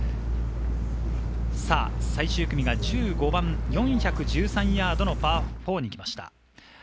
最終組が１５番、４１３ヤードのパー４にきました。